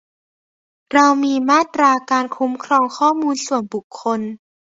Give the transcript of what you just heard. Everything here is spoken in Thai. เรามีมาตราการคุ้มครองข้อมูลส่วนบุคคล